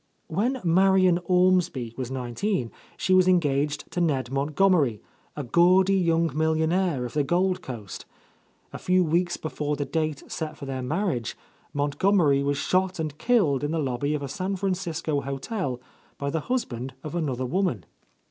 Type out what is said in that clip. When Marian Ormsby w'as nineteen, she was engaged to Ned Montgomery, a gaudy young millionaire of the Gold Coast. A few weeks before the date set for their marriage, Montgomery was shot and killed in the lobby of a San Francisco hotel by the husband of another woman.